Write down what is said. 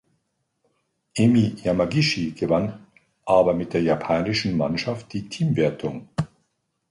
Emi Yamagishi gewann aber mit der japanischen Mannschaft die Teamwertung.